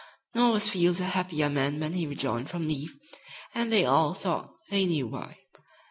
Nor was Field a happier man when he rejoined from leave, and they all thought they knew why.